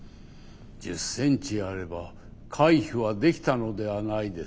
１０センチあれば回避はできたのではないですか？